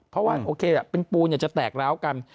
เพราะว่าเป็นปูจะแตกร้ากัน